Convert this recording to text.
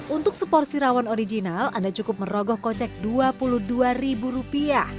untuk seporsi rawon original anda cukup merogoh kocek rp dua puluh dua